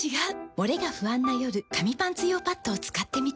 モレが不安な夜紙パンツ用パッドを使ってみた。